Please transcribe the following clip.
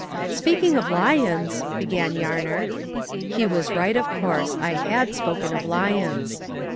"Speaking of lions," began Yarner. He was right, of course; I HAD spoken of lions.